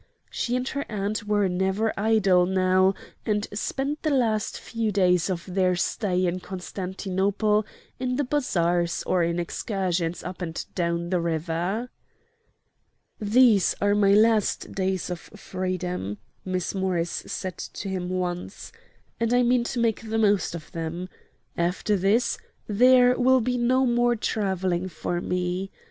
She and her aunt were never idle now, and spent the last few days of their stay in Constantinople in the bazars or in excursions up and down the river. "These are my last days of freedom," Miss Morris said to him once, "and I mean to make the most of them. After this there will be no more travelling for me.